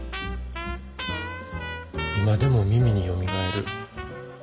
今でも耳によみがえる。